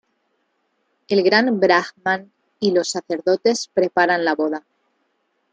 El Gran Brahman y los sacerdotes preparan la boda.